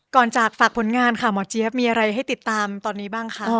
จากฝากผลงานค่ะหมอเจี๊ยบมีอะไรให้ติดตามตอนนี้บ้างคะ